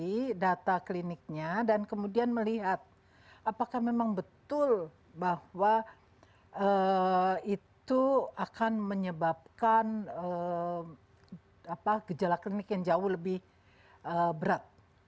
dari data kliniknya dan kemudian melihat apakah memang betul bahwa itu akan menyebabkan gejala klinik yang jauh lebih berat